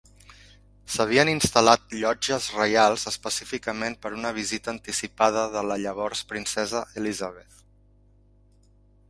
S'havien instal·lat "llotges reials" específicament per una visita anticipada de la llavors princesa Elizabeth.